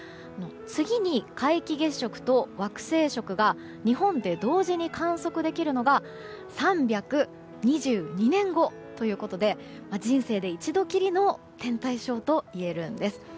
次に皆既月食と惑星食が日本で同時に観測できるのが３２２年後ということで人生で一度きりの天体ショーといえるんです。